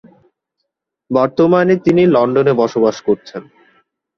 বর্তমানে তিনি লন্ডনে বসবাস করছেন।